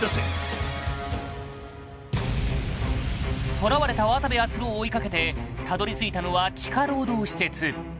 捕らわれた渡部篤郎を追いかけてたどりついたのは地下労働施設